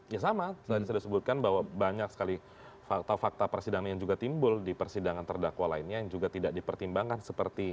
ya sama tadi sudah disebutkan bahwa banyak sekali fakta fakta persidangan yang juga timbul di persidangan terdakwa lainnya yang juga tidak dipertimbangkan seperti